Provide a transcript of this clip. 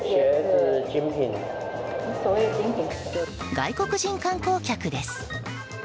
外国人観光客です。